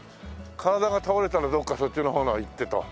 体が倒れたらどっかそっちの方の行ってと。